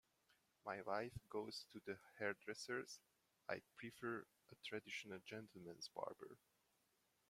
My wife goes to the hairdressers; I prefer a traditional gentleman's barber.